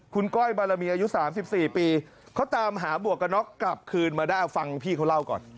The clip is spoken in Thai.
คุณก้อยบารมีอายุ๓๔ปีเขาตามหาหมวกกระน็อกกลับคืนมาได้เอาฟังพี่เขาเล่าก่อน